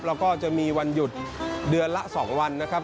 แล้วก็จะมีวันหยุดเดือนละ๒วันนะครับ